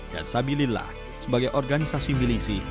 dan sabilillah sebagai organisasi milisi